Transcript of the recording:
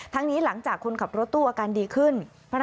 นี้หลังจากคนขับรถตู้อาการดีขึ้น